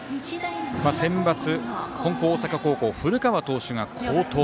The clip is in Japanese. センバツ、金光大阪高校の古川投手が好投。